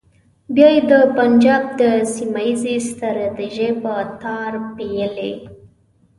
بیا یې د پنجاب د سیمه ییزې ستراتیژۍ په تار پېیلې.